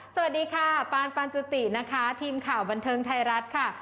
สวัสดีค่ะปานปานจุตินะคะทีมข่าวบันเทิงไทยรัฐค่ะ